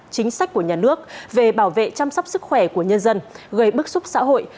chính sách của nhà nước về bảo vệ chăm sóc sức khỏe của nhân dân gây bức xúc xã hội